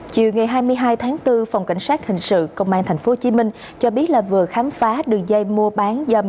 chiều ngày hai mươi hai tháng bốn phòng cảnh sát hình sự công an tp hcm cho biết là vừa khám phá đường dây mua bán dâm